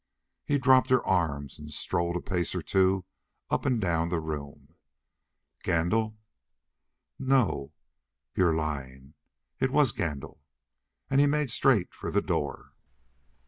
He dropped her arms and strode a pace or two up and down the room. "Gandil?" "N no!" "You're lying. It was Gandil." And he made straight for the door.